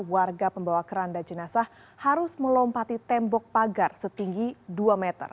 warga pembawa keranda jenazah harus melompati tembok pagar setinggi dua meter